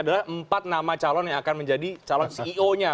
adalah empat nama calon yang akan menjadi calon ceo nya